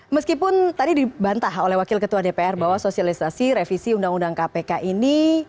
meskipun tadi dibantah oleh wakil ketua dpr bahwa sosialisasi revisi undang undang kpk ini